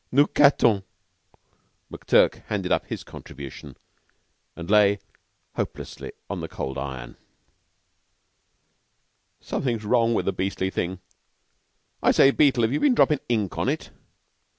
Nous cattons!" McTurk handed up his contribution and lay hopelessly on the cold iron. "Something's wrong with the beastly thing. I say, Beetle, have you been droppin' ink on it?"